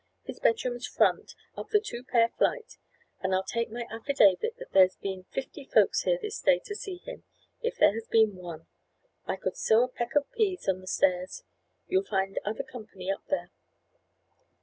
"His bedroom's front, up the two pair flight, and I'll take my affidavit that there's been fifty folks here this day to see him, if there has been one. I could sow a peck of peas on the stairs! You'll find other company up there."